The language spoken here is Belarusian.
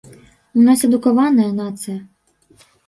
У нас адукаваная нацыя.